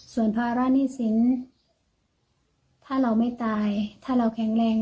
ส่วนภาระหนี้สินถ้าเราไม่ตายถ้าเราแข็งแรง